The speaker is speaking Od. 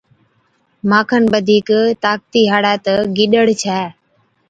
مان کن بڌِيڪ طاقتِي هاڙَي تہ گِڏڙ ڇَي۔